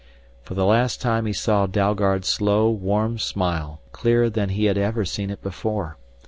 For the last time he saw Dalgard's slow, warm smile, clearer than he had ever seen it before.